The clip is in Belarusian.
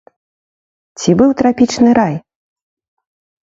Ці быў трапічны рай?